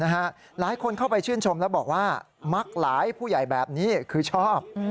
หลายคนเข้าไปชื่นชมแล้วบอกว่ามักหลายผู้ใหญ่แบบนี้คือชอบ